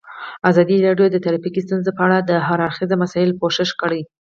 ازادي راډیو د ټرافیکي ستونزې په اړه د هر اړخیزو مسایلو پوښښ کړی.